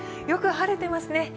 よく晴れてますね。